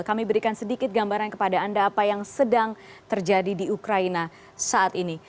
kami berikan sedikit gambaran kepada anda apa yang sedang terjadi di ukraina saat ini